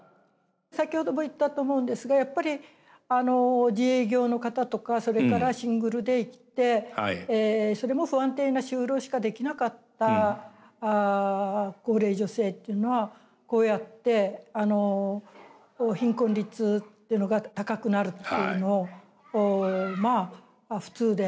先ほども言ったと思うんですがやっぱり自営業の方とかそれからシングルでいってそれも不安定な就労しかできなかった高齢女性っていうのはこうやって貧困率っていうのが高くなるっていうのまあ普通で。